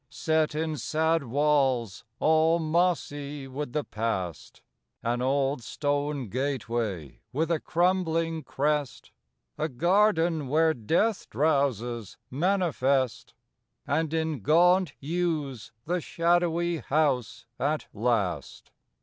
Set in sad walls, all mossy with the past, An old stone gateway with a crumbling crest; A garden where death drowses manifest; And in gaunt yews the shadowy house at last.